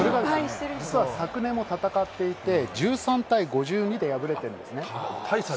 昨年も戦っていて、１３対５２で敗れているんですね。